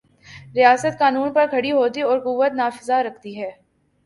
ریاست قانون پر کھڑی ہوتی اور قوت نافذہ رکھتی ہے۔